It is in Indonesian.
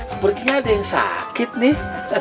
sepertinya ada yang sakit nih